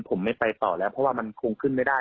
ผมไม่ไปต่อแล้วเพราะว่ามันคงขึ้นไม่ได้